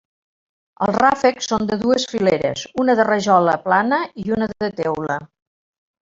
Els ràfecs són de dues fileres, una de rajola plana i una de teula.